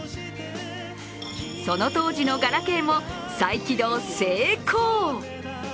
その当時のガラケーも再起動成功。